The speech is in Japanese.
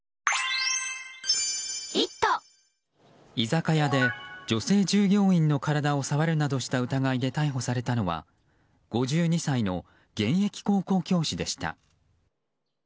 居酒屋で女性従業員の体を触るなどした疑いで逮捕されたのは５２歳の現役高校教師でした。